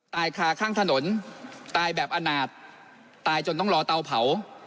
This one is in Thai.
ตายคาข้างถนนตายแบบอนาจตายจนต้องรอเตาเผา